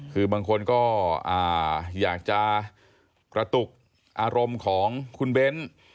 คือบางคนก็อยากจะกระตุกอารมณ์ของคุณเบ้น